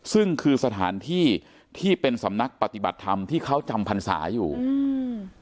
ซึ่งคือสถานที่ที่เป็นสำนักปฏิบัติธรรมที่เขาจำพรรษาอยู่อืม